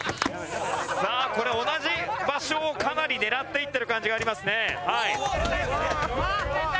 さあこれ同じ場所をかなり狙っていってる感じがありますねはい。